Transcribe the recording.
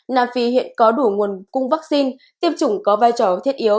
nam phi hiện có đủ nguồn cung vaccine tiêm chủng có vai trò thiết yếu